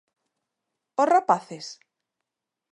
Os rapaces?